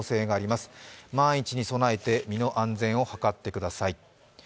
万一に備えて身の安全を図ってください。